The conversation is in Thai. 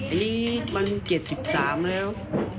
อันนี้มัน๗๓แล้ว